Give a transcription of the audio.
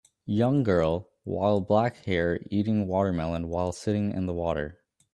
Young girl while black hair eating watermelon while sitting in the water